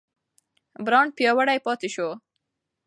برانډ پیاوړی پاتې شو.